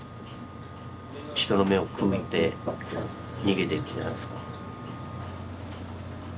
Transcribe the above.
人の目をくぐって逃げていくんじゃないですか？